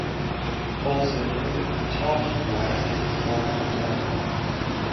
Also, note that "talking white" is a form of a dialect.